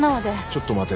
ちょっと待て。